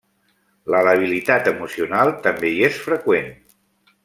La labilitat emocional també hi és freqüent.